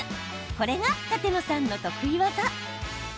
これが、舘野さんの得意技。